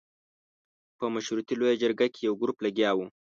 په مشورتي لویه جرګه کې یو ګروپ لګیا وو.